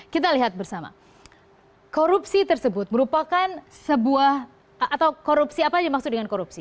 kita lihat bersama korupsi tersebut merupakan sebuah atau korupsi apa yang dimaksud dengan korupsi